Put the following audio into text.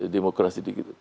demokrasi di indonesia